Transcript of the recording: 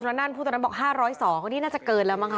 คุณหมอจุลานั่นพูดตอนนั้นบอก๕๐๒นี่น่าจะเกิดแล้วมั้งคะ